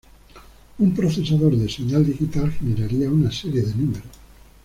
Un procesador de señal digital generaría una serie de números.